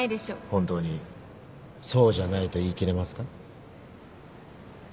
本当にそうじゃないと言いきれますか？